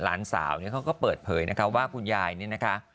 ลานสาวคงก็เปิดเผยนะครับว่าคุณยายนี่นะคะ